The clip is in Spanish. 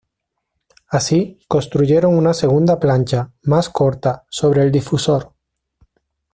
Así, construyeron una segunda plancha, más corta, sobre el difusor.